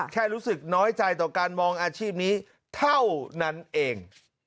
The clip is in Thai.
แค่รู้สึกน้อยใจต่อการมองอาชีพนี้เท่านั้นเอง